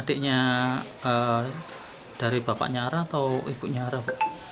adiknya dari bapaknya arah atau ibunya arah